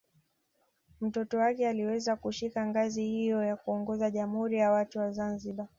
Mtoto wake aliweza kushika ngazi hiyo ya kuongoza Jamhuri ya watu wa Zanzibar